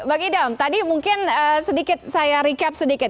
bang idam tadi mungkin sedikit saya recap sedikit